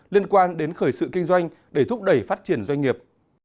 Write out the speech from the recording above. liên quan đến khởi sự kinh doanh để thúc đẩy phát triển doanh nghiệp